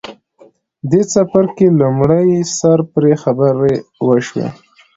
دې څپرکي له لومړي سره پرې خبرې وشوې.